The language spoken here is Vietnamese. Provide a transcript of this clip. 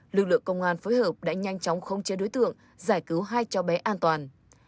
lực lượng công an phối hợp đã nhanh chóng khống chế đối tượng giải cứu hai cháu bé an toàn